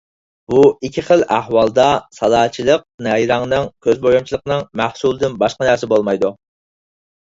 بۇ ئىككىلى خىل ئەھۋالدا سالاچىلىق نەيرەڭنىڭ، كۆز بويامچىلىقنىڭ مەھسۇلىدىن باشقا نەرسە بولمايدۇ.